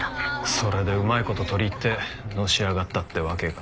それでうまい事取り入ってのし上がったってわけか。